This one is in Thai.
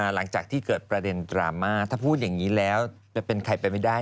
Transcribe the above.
หลังจากที่เกิดประเด็นดราม่าถ้าพูดอย่างนี้แล้วจะเป็นใครไปไม่ได้